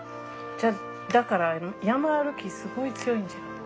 じゃあだから山歩きすごい強いんじゃない？